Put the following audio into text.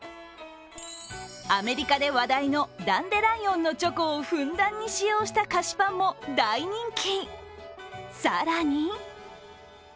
アメリカで話題のダンデライオンのチョコをふんだんに使用した菓子パンも大人気。